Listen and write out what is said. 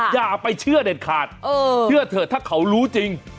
อย่าไปเชื่อเด็ดขาดเชื่อเถอะถ้าเขารู้จริง